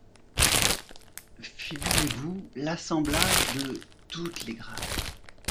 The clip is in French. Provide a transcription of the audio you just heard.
Figurez-vous l’assemblage de toutes les grâces…